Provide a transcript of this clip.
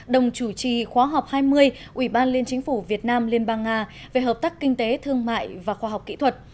đồng chủ trì khóa họp hai mươi ủy ban liên chính phủ việt nam liên bang nga về hợp tác kinh tế thương mại và khoa học kỹ thuật